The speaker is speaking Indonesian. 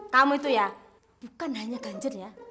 kamu itu ya bukan hanya ganjar ya